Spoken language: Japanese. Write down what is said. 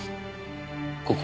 ここ。